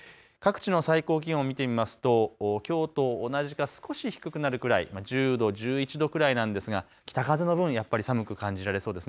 各地の最高気温見てみますときょうと同じか少し低くなるくらい、１０度、１１度くらいなんですが北風の分やっぱり寒く感じられそうです。